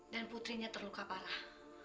dan putrinya terluka parah